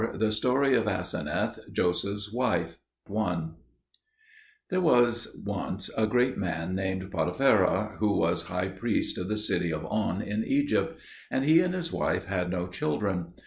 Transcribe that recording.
THE STORY OF ASENETH, JOSEPH'S WIFE I There was once a great man named Potipherah, who was high priest of the city of On in Egypt; and he and his wife had no children.